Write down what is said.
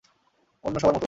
অন্য সবার মতোই।